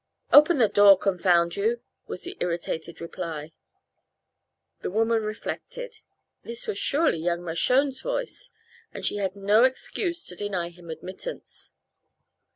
"Open the door, confound you!" was the irritated reply. The woman reflected. This was surely young Mershone's voice. And she had no excuse to deny him admittance.